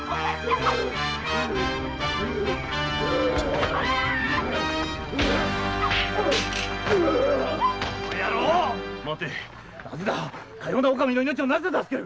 かような者の命をなぜ助ける？